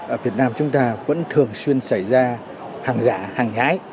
ở việt nam chúng ta vẫn thường xuyên xảy ra hàng giả hàng nhái